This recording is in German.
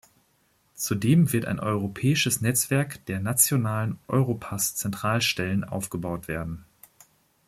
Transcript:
Zudem wird ein europäisches Netzwerk der Nationalen Europass-Zentralstellen aufgebaut werden.